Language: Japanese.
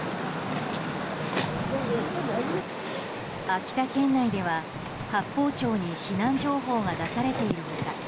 秋田県内では、八峰町に避難情報が出されている他